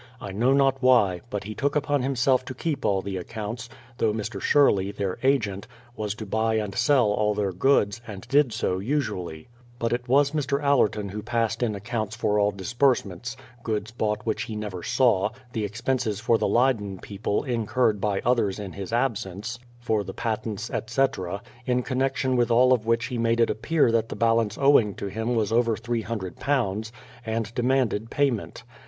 I know not why, but he took upon himself to keep all the accounts, though Mr. Sherley, their agent, was to buy and sell all their goods, and did so usually; but it was Mr. Allerton who passed in accounts for all disbursements, — goods bought which he never saw, the expenses for the Leyden people incurred by others in his absence, for the patents, etc., — in connection with all of which he made it appear that the balance owing to him was over £300, and demanded payment.